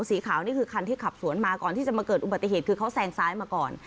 สีขาวนี่คือคันที่ขับสวนมาก่อนที่จะมาเกิดอุบัติเหตุคือเขาแซงซ้ายมาก่อน